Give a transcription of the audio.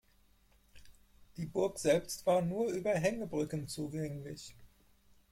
Die Burg selbst war nur über Hängebrücken zugänglich.